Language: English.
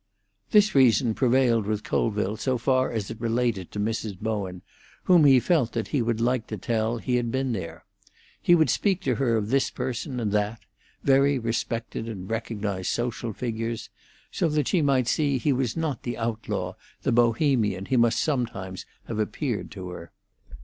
This reason prevailed with Colville so far as it related to Mrs. Bowen, whom he felt that he would like to tell he had been there. He would speak to her of this person and that—very respected and recognised social figures,—so that she might see he was not the outlaw, the Bohemian, he must sometimes have appeared to her.